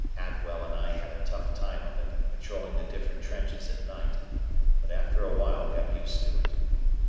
Atwell and I had a tough time of it, patrolling the different trenches at night, but after awhile got used to it.